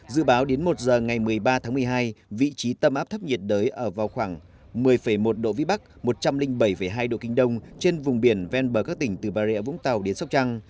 dự báo đến một giờ ngày một mươi ba tháng một mươi hai vị trí tâm áp thấp nhiệt đới ở vào khoảng một mươi một độ vĩ bắc một trăm linh bảy hai độ kinh đông trên vùng biển ven bờ các tỉnh từ bà rịa vũng tàu đến sóc trăng